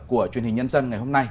của truyền hình nhân dân ngày hôm nay